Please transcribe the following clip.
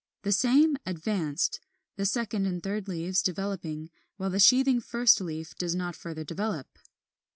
The same, advanced; the second and third leaves developing, while the sheathing first leaf does not further develop.